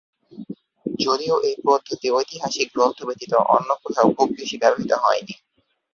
যদিও এই পদ্ধতি ঐতিহাসিক গ্রন্থ ব্যতীত অন্য কোথাও খুব বেশি ব্যবহৃত হয়নি।